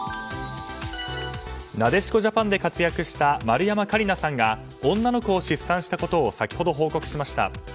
なでしこジャパンで活躍した丸山桂里奈さんが女の子を出産したことを先ほど報告しました。